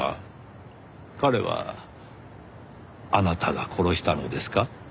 彼はあなたが殺したのですか？